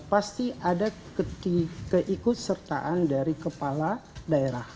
pasti ada ketika ikut sertaan dari kepala daerah